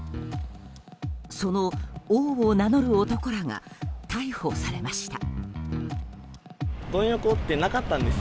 その王を名乗る男らが逮捕されました。